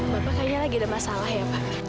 bapak kayaknya lagi ada masalah ya pak